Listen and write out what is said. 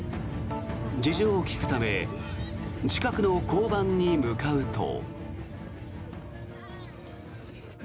事情を聴くため近くの交番に向かうと。